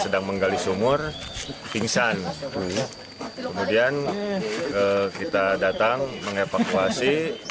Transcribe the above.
dia sudah dievakuasi